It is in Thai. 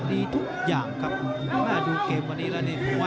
ดีทุกอย่างครับหน้าดูเกมวันนี้แล้วเนี่ย